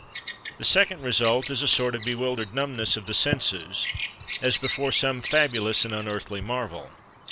The second result is a sort of bewildered numbness of the senses, as before some fabulous and unearthly marvel.